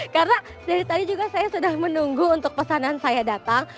karena dari tadi juga saya sudah menunggu untuk pesanan saya datang